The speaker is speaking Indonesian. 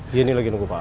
dia ini lagi nunggu pak